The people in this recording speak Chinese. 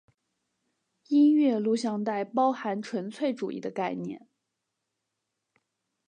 音乐录像带包含纯粹主义的概念。